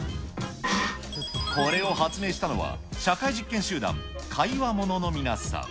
これを発明したのは、社会実験集団、カイワモノの皆さん。